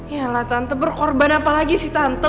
yalah tante berkorban apa lagi sih tante